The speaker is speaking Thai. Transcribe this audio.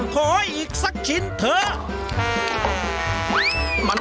ขออีกสักชิ้นเถอะ